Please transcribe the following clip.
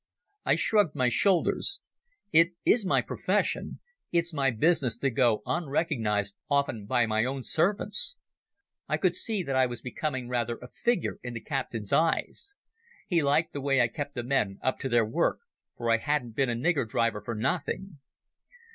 I shrugged my shoulders. "It is my profession. It is my business to go unrecognized often by my own servants." I could see that I was becoming rather a figure in the captain's eyes. He liked the way I kept the men up to their work, for I hadn't been a nigger driver for nothing.